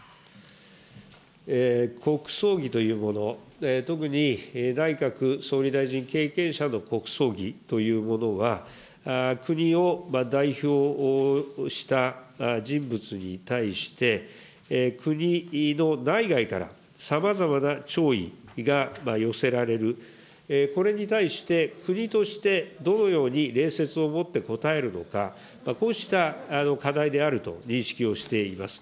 国葬儀というもの、特に内閣総理大臣経験者の国葬儀というものは、国を代表した人物に対して、国の内外から、さまざまな弔意が寄せられる、これに対して、国としてどのように礼節をもって応えるのか、こうした課題であると認識をしています。